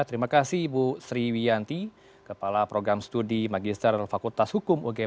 terima kasih ibu sriwiyanti kepala program studi magister fakultas hukum ugm